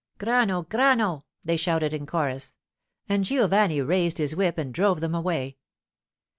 'Grano! Grano!' they shouted in chorus; and Giovanni raised his whip and drove them away.